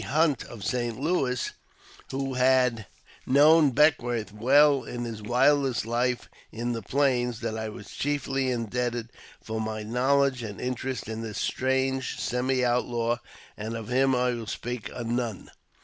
Hunt, of Saint Louis, who had known Beckwourth well in his wildest life in the Plains, that I was chiefly indebted for my knowledge and interest in this strange semi outlaw, and of him I will speak anon.